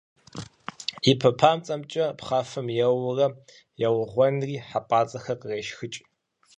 И пэ папцӀэмкӀэ пхъафэм еуӀуурэ, еугъуэнри, хьэпӀацӀэхэр кърешхыкӏ.